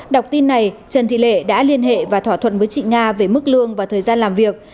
đọc tin này trần thị lệ đã liên hệ và thỏa thuận với chị nga về mức lương và thời gian làm việc